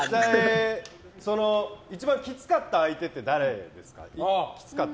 一番きつかった相手って誰ですか？